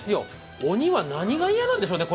鬼はこれの何が嫌なんでしょうね。